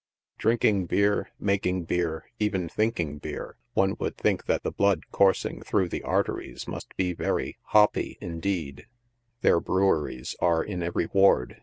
Drinking beer, making beer, even thinking beer, one would think that the blood coursing through the arteries must be very " hoppy" indeed. Their breweries are in every ward.